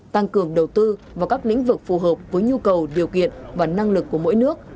tăng cường đầu tư vào các lĩnh vực phù hợp với nhu cầu điều kiện và năng lực của mỗi nước